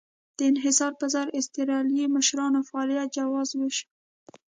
د انحصار پر ځای اسټرالیایي مشرانو فعالیت جواز وېشه.